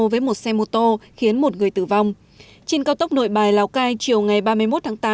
với một xe mô tô khiến một người tử vong trên cao tốc nội bài lào cai chiều ngày ba mươi một tháng tám